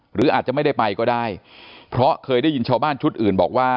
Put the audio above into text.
หรืออาจจะไม่ได้ไปก็ได้เพราะเคยได้ยินชาวบ้านชุดอื่นบอกว่า